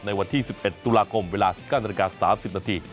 วันที่๑๑ตุลาคมเวลา๑๙นาฬิกา๓๐นาที